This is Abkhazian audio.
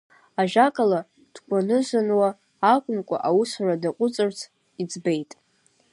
Ажәакала, дкәанызануа акәымкәа, аусура даҟәыҵырц иӡбеит.